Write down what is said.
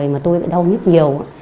mà tôi đã đau nhất nhiều